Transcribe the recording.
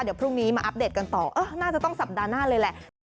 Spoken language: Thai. เดี๋ยวพรุ่งนี้มาอัปเดตกันต่อน่าจะต้องสัปดาห์หน้าเลยแหละ